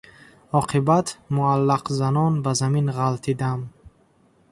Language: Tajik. Оқибат муаллақзанон ба замин ғалтидам.